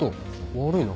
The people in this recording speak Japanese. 悪いな。